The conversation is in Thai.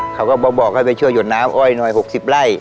เขาก็บอกให้ไปช่วยหยดน้ำอ้อยหน่อย๖๐ไร่